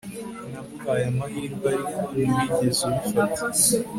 Naguhaye amahirwe ariko ntiwigeze ubifata